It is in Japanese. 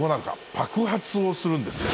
爆発をするんです。